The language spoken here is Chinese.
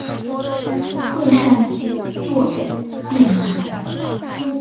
会善寺坐北面南。